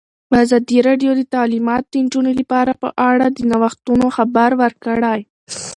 ازادي راډیو د تعلیمات د نجونو لپاره په اړه د نوښتونو خبر ورکړی.